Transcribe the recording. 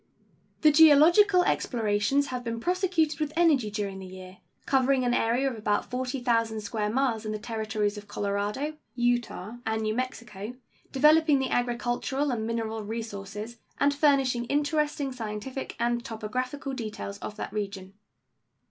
The geological explorations have been prosecuted with energy during the year, covering an area of about 40,000 square miles in the Territories of Colorado, Utah, and New Mexico, developing the agricultural and mineral resources and furnishing interesting scientific and topographical details of that region.